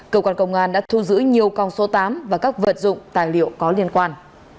cơ quan công an đã thu giữ nhiều cong số tám và các vật dụng tài liệu có liên quan